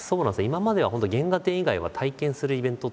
今までは本当原画展以外は体験するイベントって。